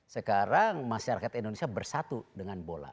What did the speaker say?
sekarang masyarakat indonesia bersatu dengan bola